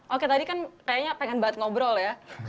oke tadi kan kayaknya pengen banget ngobrol ya